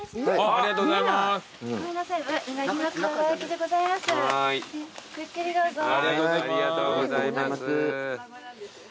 ありがとうございます。